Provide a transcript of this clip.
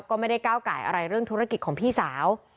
ก็ไม่ได้ก้าวไก่อะไรเรื่องธุรกิจของพี่สาว